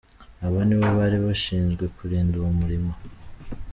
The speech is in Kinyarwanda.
Aba nibo bari bashinzwe kurinda uwo murima.